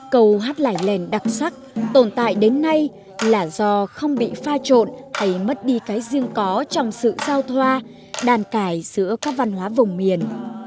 câu hát lại lèn đặc sắc tồn tại đến nay là do không bị pha trộn hay mất đi cái riêng có trong sự giao thoa đàn cải giữa các văn hóa vùng miền